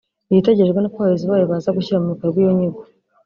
Igitegerejwe ni uko abakozi bayo baza gushyira mu bikorwa iyo nyigo